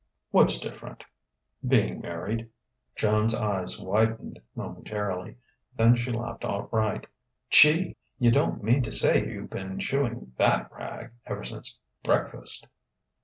"What's different?" "Being married." Joan's eyes widened momentarily. Then she laughed outright. "Gee! You don't mean to say you've been chewing that rag ever since breakfast?"